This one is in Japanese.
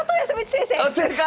正解！